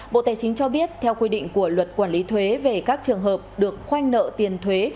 bộ tài chính cho biết theo quy định của luật quản lý thuế về các trường hợp được khoanh nợ tiền thuế